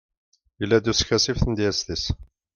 yella-d uskasi ɣef tmedyazt-is